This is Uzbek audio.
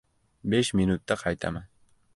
Besh minutda qaytaman.